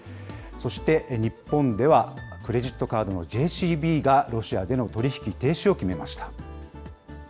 そして日本では、クレジットカードのＪＣＢがロシアでの取り引き停止を決めました。